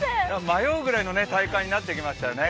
迷うくらいの体感になってきましたよね。